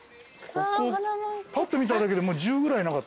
パッと見ただけでもう１０ぐらいなかった？